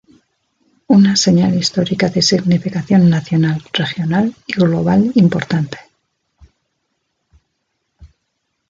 Una señal histórica de significación nacional, regional y global importante.